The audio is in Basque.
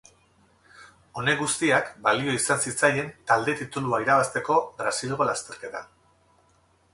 Honek guztiak balio izan zitzaien talde-titulua irabazteko Brasilgo lasterketan.